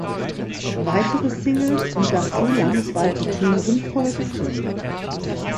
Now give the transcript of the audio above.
Weitere Singles und dazu landesweite Touren folgten.